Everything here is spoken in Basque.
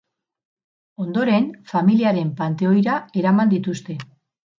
Ondoren, familiaren panteoira eraman dituzte.